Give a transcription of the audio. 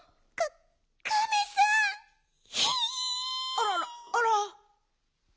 あららあら。